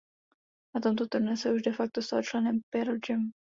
Na tomto turné se už de facto stal členem Pearl Jam.